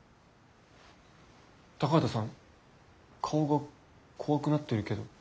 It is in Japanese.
高畑さん顔が怖くなってるけど。